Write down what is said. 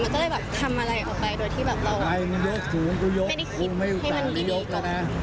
มันก็เลยแบบทำอะไรเอาไปโดยที่แบบไม่ได้คิดให้มันดีกับ